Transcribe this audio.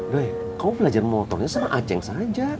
duh kamu belajar motornya sama aceng saja